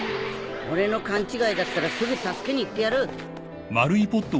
俺の勘違いだったらすぐ助けに行ってやる。